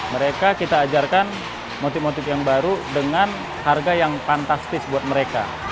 mereka kita ajarkan motif motif yang baru dengan harga yang fantastis buat mereka